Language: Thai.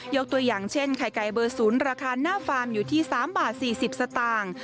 ตัวอย่างเช่นไข่ไก่เบอร์๐ราคาหน้าฟาร์มอยู่ที่๓บาท๔๐สตางค์